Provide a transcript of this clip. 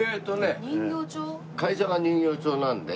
会社が人形町なんで。